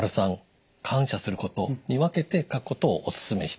③「感謝すること」に分けて書くことをお勧めしています。